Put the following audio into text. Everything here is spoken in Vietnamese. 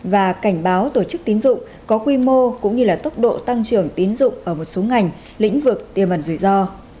và cảnh báo tổ chức tín dụng có quy mô cũng như là tốc độ tăng trưởng tín dụng ở một số ngành lĩnh vực tiềm ẩn rủi ro